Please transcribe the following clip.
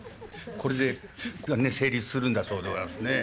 これで成立するんだそうでございますね。